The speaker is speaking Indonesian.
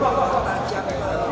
yang ada di luar tidak jadi keajaiban